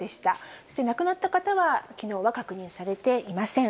そして亡くなった方は、きのうは確認されていません。